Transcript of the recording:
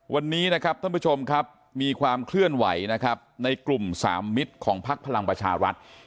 วันนี้นะครับท่านผู้ชมครับมีความเคลื่อนไหวนะครับในกลุ่มสามมิตรของพักพลังประชารัฐ